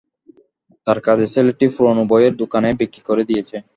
তাঁর কাজের ছেলেটি পুরানো বইয়ের দোকানে বিক্রি করে দিয়েছে।